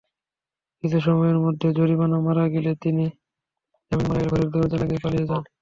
কিছু সময়ের মধ্যে জামিনা মারা গেলে তিনি ঘরের দরজা লাগিয়ে পালিয়ে যান।